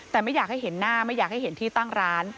แต่ไม่อยากให้เห็นหน้าไม่อยากให้เห็นที่ตั้งร้าน